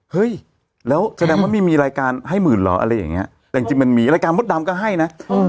เฮ้ยแล้วแสดงว่าไม่มีรายการให้หมื่นเหรออะไรอย่างเงี้ยแต่จริงมันมีรายการมดดำก็ให้นะ